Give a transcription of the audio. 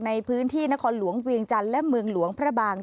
ในพื้นที่นครหลวงเวียงจันทร์และเมืองหลวงพระบาง